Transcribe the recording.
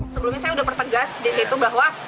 sebelumnya saya sudah pertegas di situ bahwa